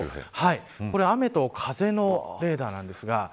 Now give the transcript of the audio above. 雨と風のレーダーなんですが。